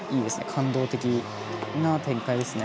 感動的な展開ですね。